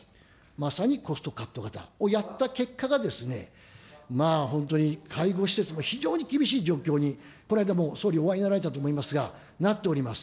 まさにコストカット型をやった結果が、まあ本当に介護施設も非常に厳しい状況に、この間も総理、お会いになられたと思いますが、なっております。